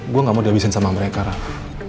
gue gak mau diabisin sama mereka raff